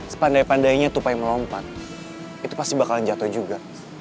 sepandai pandainya tupai melompat itu pasti bakalan jatuh juga